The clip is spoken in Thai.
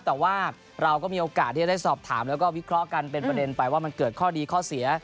แต่ว่าเราก็มีโอกาสที่จะได้สอบถามแล้วก็วิเคราะห์กันเป็นประเด็นไปว่ามันเกิดข้อดีข้อเสีย